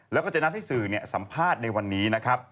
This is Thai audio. แล้วก็จะนัดให้สื่อสัมภาษณ์ในวันนี้นะครับ